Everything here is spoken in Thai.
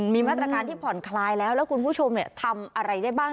มีมาตรการที่ผ่อนคลายแล้วแล้วคุณผู้ชมทำอะไรได้บ้าง